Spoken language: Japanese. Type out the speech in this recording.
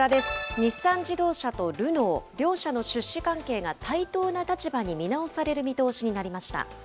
日産自動車とルノー、両社の出資関係が対等な立場に見直される見通しになりました。